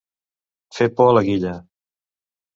Fer por a la guilla.